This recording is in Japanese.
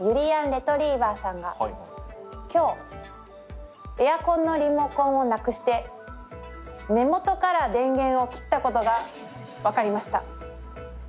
レトリィバァさんが今日エアコンのリモコンをなくして根元から電源を切ったことが分かりました。